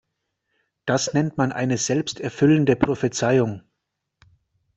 Das nennt man eine selbsterfüllende Prophezeiung.